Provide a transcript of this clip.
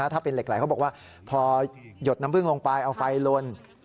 ถ้าเป็นเหล็กไหลเขาบอกว่าพอหยดน้ำพึ่งลงไปเอาไฟลน